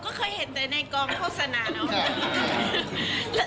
ก็เคยเห็นแต่ในกองโฆษณาเนาะ